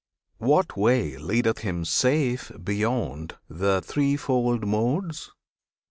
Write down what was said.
What way Leadeth him safe beyond the threefold Modes?